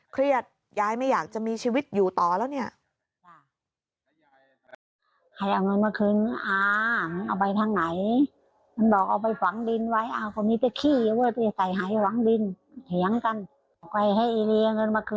เครียดยายไม่อยากจะมีชีวิตอยู่ต่อแล้วเนี่ย